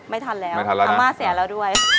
ไม่ทันแล้วอาม่าเสียแล้วด้วย